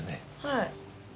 はい。